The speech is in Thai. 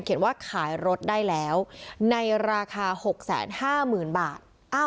ว่าขายรถได้แล้วในราคา๖๕๐๐๐บาท